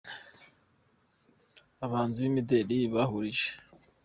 abahanzi b’imideli bahurije.